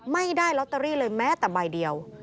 ไม่ได้ลอตเตอรี่เลยแม้แต่ใบเดียว